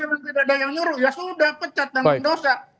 kalau tidak ada yang nyuruh ya sudah pecat dan dosa